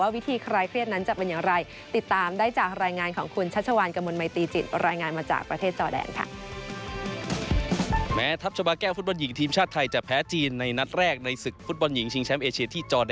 วิธีขายเครียดนั้นจะเป็นอย่างไร